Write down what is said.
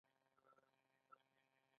غیر عملي نظریې لرې کیږي.